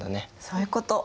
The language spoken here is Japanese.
そういうこと。